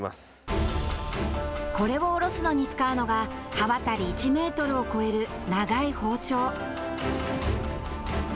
これをおろすのに使うのが刃渡り１メートルを超える長い包丁。